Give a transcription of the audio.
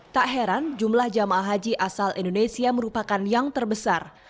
tak heran jumlah jamaah haji asal indonesia merupakan yang terbesar